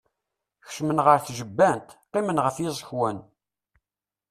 Kecmen ɣer tjebbant, qqimen ɣef yiẓekwan.